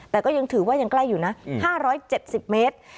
แต่ก็ยังถือว่ายังใกล้อยู่นะ๕๗๐เมตร